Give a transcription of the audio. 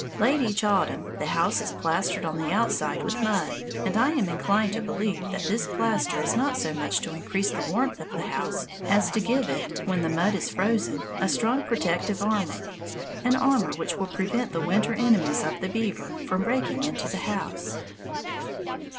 Late each autumn, the house is plastered on the outside with mud, and I am inclined to believe that this plaster is not so much to increase the warmth of the house as to give it, when the mud is frozen, a strong protective armor, an armor which will prevent the winter enemies of the beaver from breaking into the house.